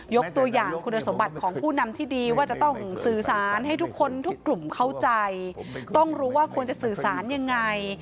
ยกตัวอย่างคุณสมบัติของผู้นำที่ดีว่าจะต้องสื่อสารให้ทุกคนทุกกลุ่มเข้าใจต้องรู้ว่าควรจะสื่อสารยังไง